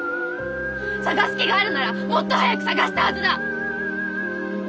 捜す気があるならもっと早く捜したはずだ！